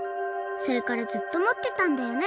それからずっともってたんだよね。